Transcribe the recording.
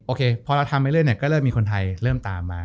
โอเคพอเราทำไปเรื่อยก็เริ่มมีคนไทยเริ่มตามมา